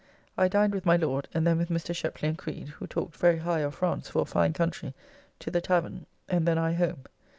I dined with my Lord, and then with Mr. Shepley and Creed (who talked very high of France for a fine country) to the tavern, and then I home.